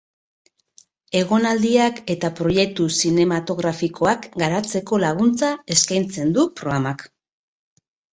Egonaldiak eta proiektu zinematografikoak garatzeko laguntza eskaintzen du programak.